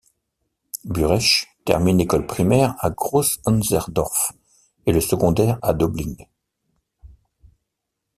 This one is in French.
Buresch termine l'école primaire à Groß-Enzersdorf et le secondaire à Döbling.